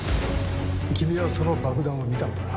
君はその爆弾を見たのかな？